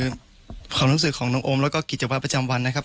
คือความรู้สึกของน้องโอมแล้วก็กิจวัตรประจำวันนะครับ